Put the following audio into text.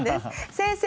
先生